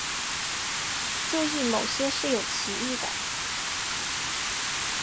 注意某些是有歧义的。